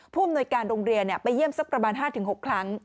ผู้อำนวยการโรงเรียนไปเยี่ยมสักประมาณ๕๖ครั้ง